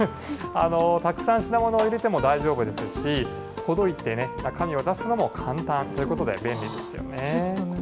たくさん品物を入れても大丈夫ですし、ほどいて中身を出すのも簡単ということで、便利ですよね。